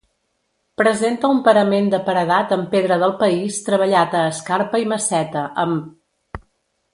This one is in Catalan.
Presenta un parament de paredat amb pedra del país treballat a escarpa i maceta, amb.